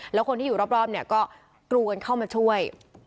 แล้วคนที่อยู่รอบเนี่ยก็กรูกันเข้ามาช่วย